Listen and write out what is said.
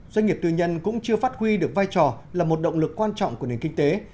doanh nghiệp tư nhân cũng chưa phát huy được vai trò là một động lực quan trọng của nền kinh tế